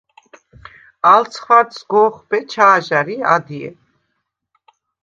ალ ცხვადს სგო̄ხვბე ჩა̄ჟა̈რ ი ადჲე.